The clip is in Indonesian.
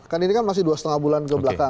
kan ini kan masih dua lima bulan ke belakang